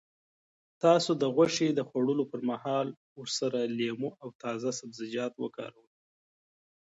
تاسو د غوښې د خوړلو پر مهال ورسره لیمو او تازه سبزیجات وکاروئ.